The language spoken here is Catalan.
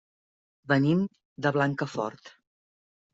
Venim de Blancafort.